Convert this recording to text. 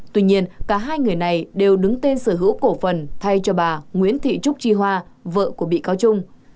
tuy nhiên cả hai người này đều đứng tên sở hữu cổ phần thay cho bà nguyễn thị trúc chi hoa vợ của bị cáo trung